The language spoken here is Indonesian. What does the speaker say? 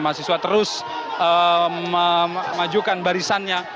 mahasiswa terus memajukan barisannya